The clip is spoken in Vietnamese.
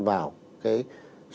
đoàn thanh niên vào